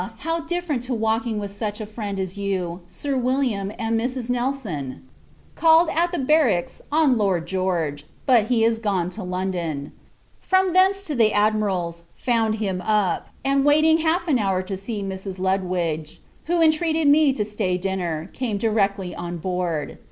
how different to walking with such a friend as you, Sir William, and Mrs. Nelson. Called at the barracks, on Lord George; but, he is gone to London. From thence to the Admiral's, found him up; and, waiting half an hour to see Mrs. Lutwidge, who entreated me to stay dinner, came directly on board.